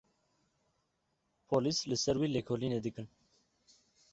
Polîs li ser wî lêkolînê dikin.